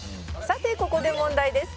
「さてここで問題です」